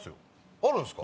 あるんすか！